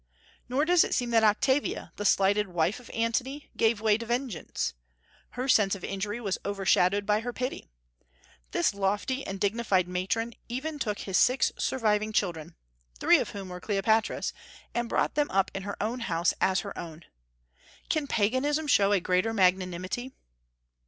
Nor does it seem that Octavia, the slighted wife of Antony, gave way to vengeance. Her sense of injury was overshadowed by her pity. This lofty and dignified matron even took his six surviving children, three of whom were Cleopatra's, and brought them up in her own house as her own. Can Paganism show a greater magnanimity?